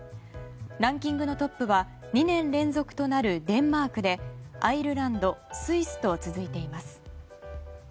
ランキングのトップは２年連続となるデンマークでアイルランド、スイスと続いています。